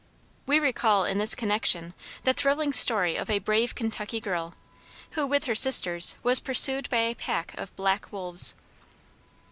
We recall, in this connection, the thrilling story of a brave Kentucky girl, who, with her sisters, was pursued by a pack of black wolves.